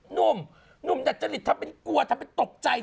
หนุ่มหนุ่มดัจจริตทำเป็นกลัวทำเป็นตกใจ